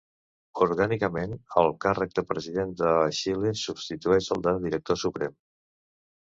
Orgànicament, el càrrec de President de Xile substitueix el de Director Suprem.